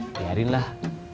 ah biarin lah